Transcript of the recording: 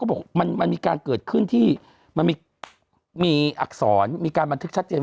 บอกมันมีการเกิดขึ้นที่มันมีอักษรมีการบันทึกชัดเจน